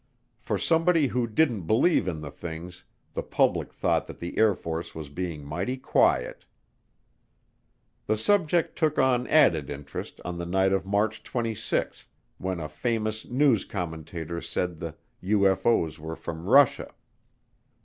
For somebody who didn't believe in the things, the public thought that the Air Force was being mighty quiet. The subject took on added interest on the night of March 26, when a famous news commentator said the UFO's were from Russia.